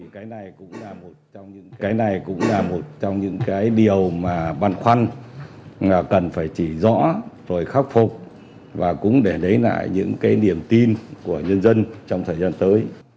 cái này cũng là một trong những cái điều mà băn khoăn cần phải chỉ rõ rồi khắc phục và cũng để lấy lại những cái niềm tin của nhân dân trong thời gian tới